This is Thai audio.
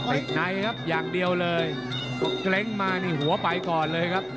ในครับอย่างเดียวเลยพอเกร็งมานี่หัวไปก่อนเลยครับ